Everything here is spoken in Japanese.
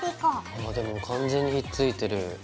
ああでも完全にひっついてる。